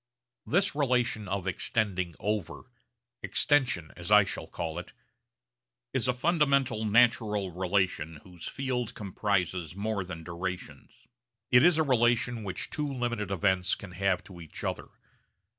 This relation of 'extending over' 'extension' as I shall call it is a fundamental natural relation whose field comprises more than durations. It is a relation which two limited events can have to each other.